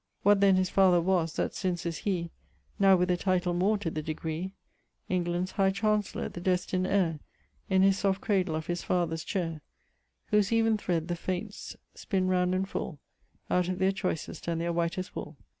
What then his father was, that since is he, Now with a title more to the degree, England's High Chancellour, the destin'd heir In his soft cradle of his father's chaire, Whose even thred the Fates spinne round and full Out of their choysest and their whitest wooll.